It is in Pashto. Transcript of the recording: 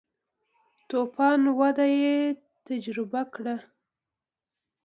تو فان وده یې تجربه کړه.